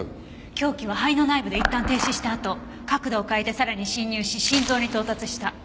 凶器は肺の内部でいったん停止したあと角度を変えてさらに侵入し心臓に到達した。